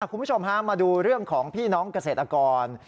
คุณผู้ชมฮะมาดูเรื่องของพี่น้องเกษตรกร